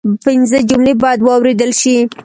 پنځه جملې باید واوریدل شي